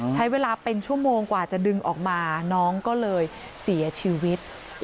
ใช้เวลาเป็นชั่วโมงกว่าจะดึงออกมาน้องก็เลยเสียชีวิต